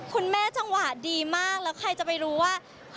จังหวะดีมากแล้วใครจะไปรู้ว่า